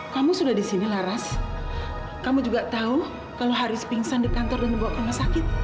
kamu sudah di sini laras kamu juga tahu kalau harus pingsan di kantor dan dibawa ke rumah sakit